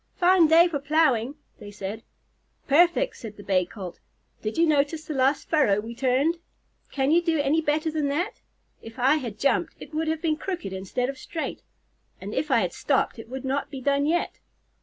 "Fine day for plowing," they said. "Perfect," answered the Bay Colt. "Did you notice the last furrow we turned? Can you do any better than that? If I had jumped, it would have been crooked instead of straight; and if I had stopped, it would not be done yet."